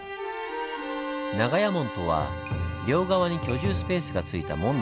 長屋門とは両側に居住スペースがついた門の事。